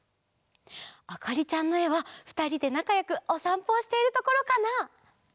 あかりちゃんのえはふたりでなかよくおさんぽをしているところかな？